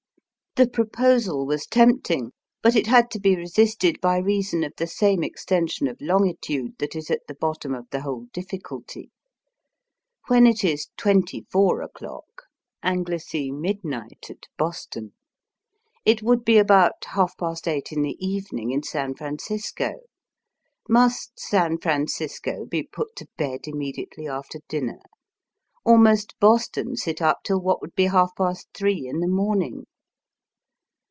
The proposal was tempting, but it had to be resisted by reason of the same extension of longitude that is at the bottom of the whole difficulty. When it is twenty four o'clock (Anglice midnight) at Boston it would be about half past eight in the evening in San Francisco. Must San Francisco be put to bed immediately after dinner, or must Boston sit up till what would be half past three in the morning